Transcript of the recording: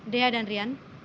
dea dan rian